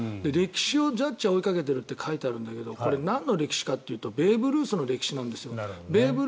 歴史をジャッジは追いかけてるって書いてあるんだけどなんの歴史かっていったらベーブ・ルースなんですよ。